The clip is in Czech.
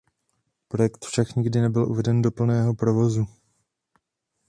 Projekt však nikdy nebyl uveden do plného provozu.